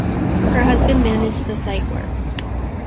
Her husband managed the site works.